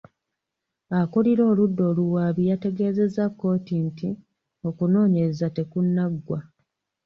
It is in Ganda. Akulira oludda oluwaabi yategeezezza kkooti nti okunooyereza tekunnaggwa.